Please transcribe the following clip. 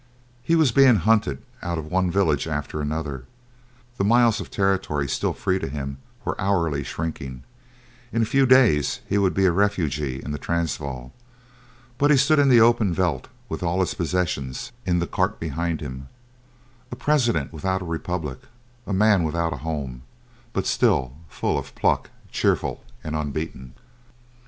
He was being hunted out of one village after another, the miles of territory still free to him were hourly shrinking in a few days he would be a refugee in the Transvaal; but he stood in the open veldt with all his possessions in the cart behind him, a president without a republic, a man without a home, but still full of pluck, cheerful and unbeaten.